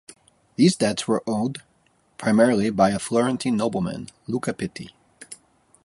These debts were owed primarily by a Florentine nobleman, Luca Pitti.